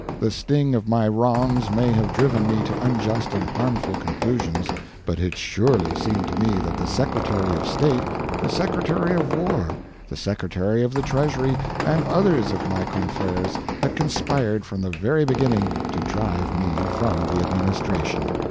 The sting of my wrongs may have driven me to unjust and harmful conclusions, but it surely seemed to me that the Secretary of State, the Secretary of War, the Secretary of the Treasury, and others of my confreres had conspired from the very beginning to drive me from the Administration.